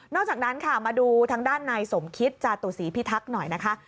อกจากนั้นค่ะมาดูทางด้านนายสมคิตจาตุศีพิทักษ์หน่อยนะคะ